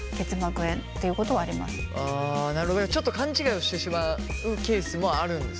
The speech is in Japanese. ちょっと勘ちがいをしてしまうケースもあるんですね。